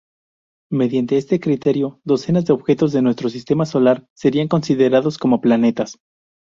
Mediante este criterio, docenas de objetos de nuestro sistema solar serían considerados como planetas.